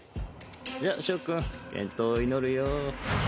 じゃ諸君健闘を祈るよ。